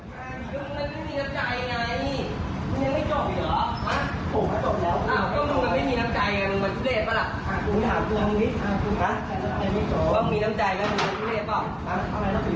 มึงแม่ไม่มีน้ำใจเงิน